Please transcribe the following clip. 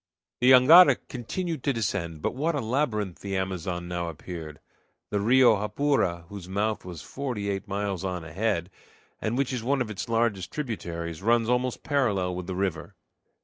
The jangada continued to descend; but what a labyrinth the Amazon now appeared! The Rio Japura, whose mouth was forty eight miles on ahead, and which is one of its largest tributaries, runs almost parallel with the river.